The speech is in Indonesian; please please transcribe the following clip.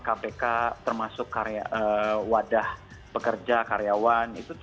kpk termasuk wadah pekerja karyawan